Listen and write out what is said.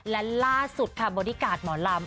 และล่าสุดค่ะบอดี้การ์ดหมอลำ